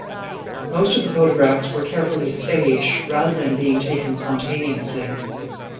Most of the photographs were carefully staged rather than being taken spontaneously.